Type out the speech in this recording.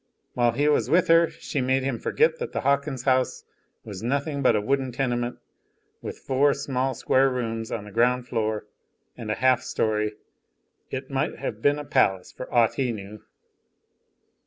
While he was with her she made him forget that the Hawkins' house was nothing but a wooden tenement, with four small square rooms on the ground floor and a half story; it might have been a palace for aught he knew.